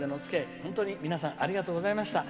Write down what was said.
本当に皆さんありがとうございました。